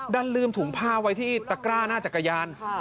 ดันลืมถุงผ้าไว้ที่ตะกร้าหน้าจักรยาน